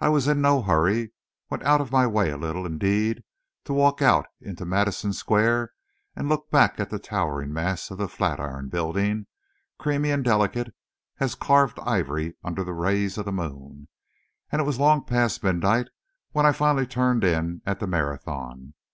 I was in no hurry went out of my way a little, indeed, to walk out into Madison Square and look back at the towering mass of the Flatiron building, creamy and delicate as carved ivory under the rays of the moon and it was long past midnight when I finally turned in at the Marathon.